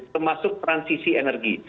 termasuk transisi energi